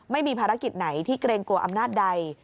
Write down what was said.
ไม่มีภารกิจไหนที่เกรงกลัวอำนาจใด